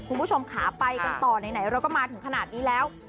คุณผู้ชมค่ะไปกันต่อไหนเราก็มาถึงขนาดนี้แล้ว